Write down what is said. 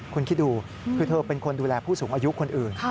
คุณคิดดูคือเธอเป็นคนดูแลผู้สูงอายุคนอื่น